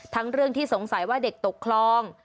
เรื่องที่สงสัยว่าเด็กตกคลอง